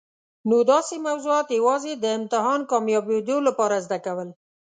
نو داسي موضوعات یوازي د امتحان کامیابېدو لپاره زده کول.